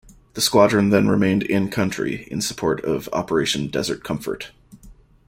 The squadron then remained in-country, in support of Operation Desert Comfort.